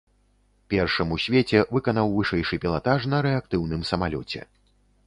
Першым у свеце выканаў вышэйшы пілатаж на рэактыўным самалёце.